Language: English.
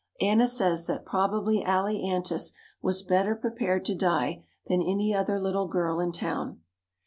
Anna says that probably Allie Antes was better prepared to die than any other little girl in town.